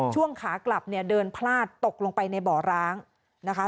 ช่วงขากลับเนี่ยเดินพลาดตกลงไปในบ่อร้างนะคะ